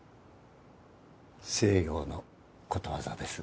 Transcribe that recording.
西洋のことわざです。